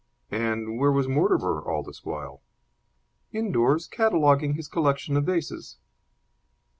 "And where was Mortimer all this while?" "Indoors, cataloguing his collection of vases."